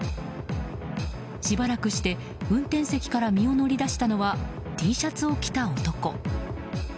しばらくして運転席から身を乗り出したのはＴシャツを着た男。